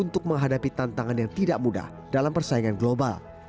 untuk menghadapi tantangan yang tidak mudah dalam persaingan global